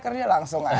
kerja langsung aja